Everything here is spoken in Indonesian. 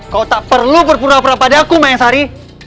kau tak perlu berpura pura pada aku mayang sari